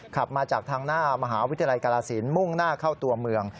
ขับมาจากทางหน้ามหาวิทยาลัยกาลสินมุ่งหน้าเข้าตัวเมือง